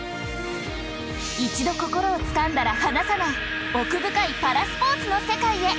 一度心をつかんだら離さない奥深いパラスポーツの世界へ。